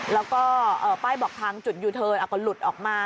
แล้วก็ป้ายบอกทางจุดยูเทิร์นก็หลุดออกมา